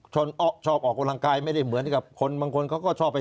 ชอบออกกำลังกายไม่ได้เหมือนกับคนบางคนเขาก็ชอบไป